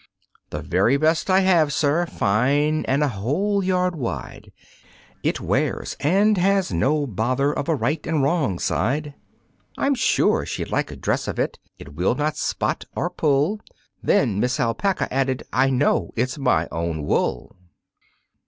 "The very best I have, sir, fine and a whole yard wide, It wears, and has no bother of a right and wrong side; I'm sure she'd like a dress of it it will not spot or pull." Then Miss Alpaca added: "I know it's my own wool."